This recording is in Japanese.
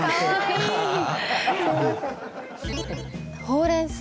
ほうれん草？